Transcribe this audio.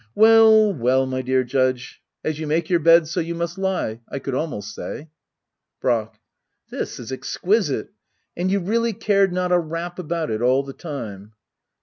Well, well, my dear Judge — as you make your bed so you must lie^ I could almost say. Brack. This is exquisite ! And you really cared not a rap about it all the time